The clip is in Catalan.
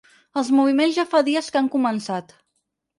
Els moviments ja fa dies que han començat.